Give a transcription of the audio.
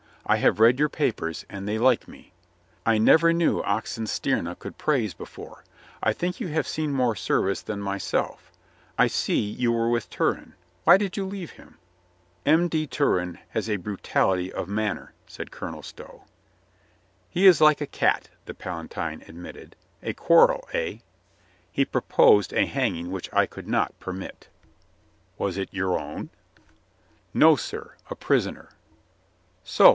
I have read your papers, and they like me. I never knew Oxenstierna could praise before. I think you have seen more service than "WHY COME YE NOT TO COURT?" 127 myself. I see you were with Turenne. Why did you leave him?" "M. de Turenne has a brutality of manner," said Colonel Stow. "He is like a cat," the Palatine admitted. "A quarrel, eh?" "He proposed a hanging which I could not per mit." "Was it your own?" "No, sir; a prisoner." "So.